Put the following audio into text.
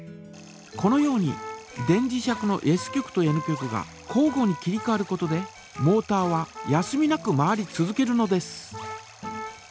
このように電磁石のＳ極とＮ極が交ごに切りかわることでモータは休みなく回り続けるのです。